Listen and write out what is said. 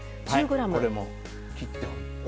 これも切って使います。